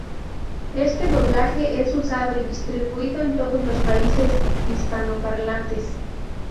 Este doblaje es usado y distribuido en todos los países hispanoparlantes.